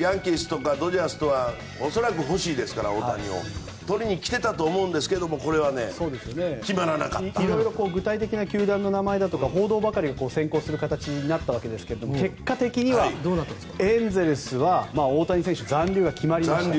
ヤンキースとかドジャースは大谷を欲しいですから取りに来ていたと思うんですけど具体的な球団の名前だとか報道ばかりが先行する形になったわけですが結果的にはエンゼルスは大谷選手、残留が決まりました。